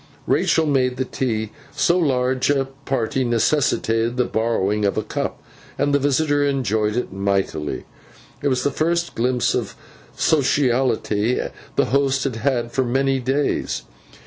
Rachael made the tea (so large a party necessitated the borrowing of a cup), and the visitor enjoyed it mightily. It was the first glimpse of sociality the host had had for many days.